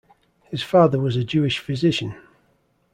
His father was a Jewish physician.